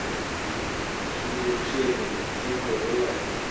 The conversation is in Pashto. چیري یې کښېږدم ؟ ژر کوه ووایه !